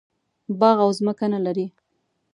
باغ او ځمکه نه لري.